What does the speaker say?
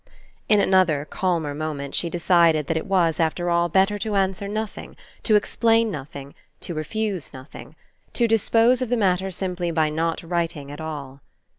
In another, calmer moment she decided that It was, after all, better to answer nothing, to explain nothing, to refuse nothing; to dis pose of the matter simply by not writing at all.